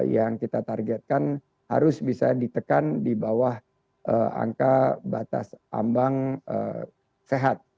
yang kita targetkan harus bisa ditekan di bawah angka batas ambang sehat